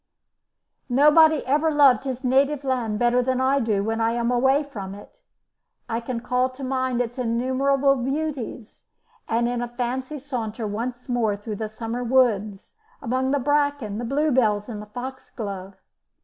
Nobody ever loved his native land better than I do when I am away from it. I can call to mind its innumerable beauties, and in fancy saunter once more through the summer woods, among the bracken, the bluebells, and the foxglove.